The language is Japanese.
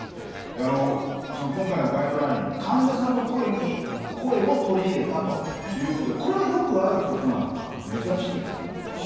であのその今回のガイドライン患者さんの声を取り入れたということでこれはよくあることなのか珍しいことなのか。